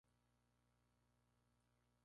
El indulto puede ser total o parcial.